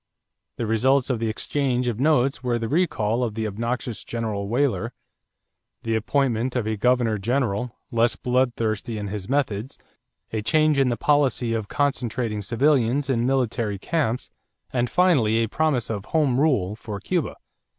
The results of the exchange of notes were the recall of the obnoxious General Weyler, the appointment of a governor general less bloodthirsty in his methods, a change in the policy of concentrating civilians in military camps, and finally a promise of "home rule" for Cuba.